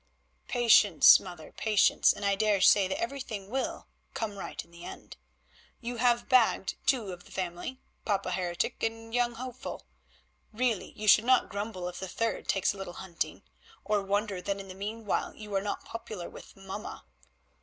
"Patience, mother, patience, and I dare say that everything will come right in the end. You have bagged two of the family—Papa heretic and Young Hopeful. Really you should not grumble if the third takes a little hunting, or wonder that in the meanwhile you are not popular with Mama.